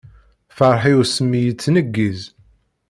Ferḥ-iw s mmi yettneggiz.